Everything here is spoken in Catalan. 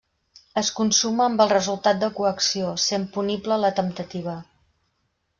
Es consuma amb el resultat de coacció, sent punible la temptativa.